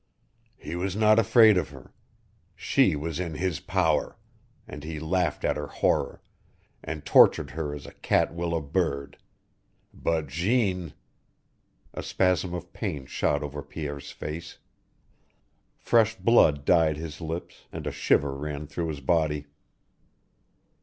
He was not afraid of her. She was in his power, and he laughed at her horror, and tortured her as a cat will a bird. But Jeanne " A spasm of pain shot over Pierre's face. Fresh blood dyed his lips, and a shiver ran through his body.